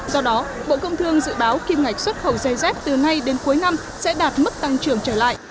do đó bộ công thương dự báo kim ngạch xuất khẩu dây dép từ nay đến cuối năm sẽ đạt mức tăng trưởng trở lại